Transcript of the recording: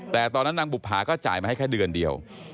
แต่ตอนนั้นนางบุภาก็จ่ายมาให้แค่เดือนเดียว